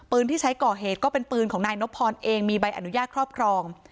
ที่ใช้ก่อเหตุก็เป็นปืนของนายนบพรเองมีใบอนุญาตครอบครอง